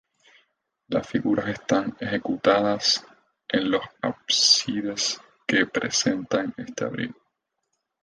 Las figuras están ejecutadas en los ábsides que presentan este abrigo.